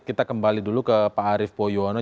kita kembali dulu ke pak arief poyono